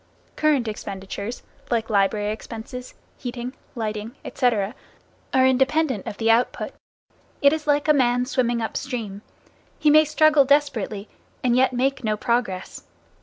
Current expenditures, like library expenses, heating, lighting, etc., are independent of the output. It is like a man swimming up stream. He may struggle desperately, and yet make no progress.